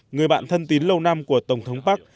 người bạn thân tín lâu năm của tổng thống park